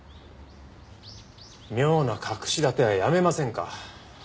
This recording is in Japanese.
妙な隠し立てはやめませんか。